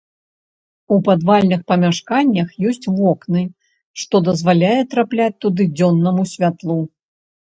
У падвальных памяшканнях ёсць вокны, што дазваляе трапляць туды дзённаму святлу.